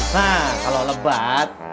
nah kalau lebat